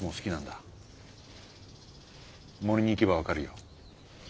森に行けば分かるよ。